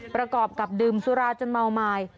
ประกอบกับดื่มสุราจนเมาไม้